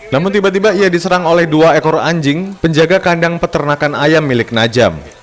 namun tiba tiba ia diserang oleh dua ekor anjing penjaga kandang peternakan ayam milik najam